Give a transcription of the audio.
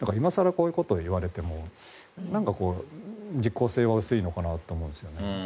こういうことを言われても実効性は薄いのかなと思うんですよね。